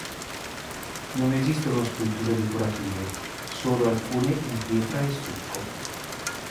Non esistono sculture decorative, solo alcune in pietra e stucco.